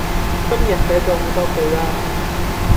今日寫左好多句啦